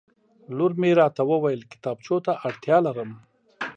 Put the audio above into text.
لور مې راته وویل کتابچو ته اړتیا لرم